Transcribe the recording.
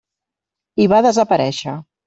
I va desaparèixer.